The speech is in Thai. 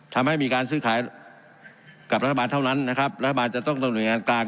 ทำให้มีการซื้อขายกับรัฐบาลเท่านั้นนะครับรัฐบาลจะต้องดำเนินการกลาง